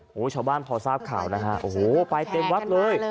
โอ้โหชาวบ้านพอทราบข่าวนะฮะโอ้โหไปเต็มวัดเลย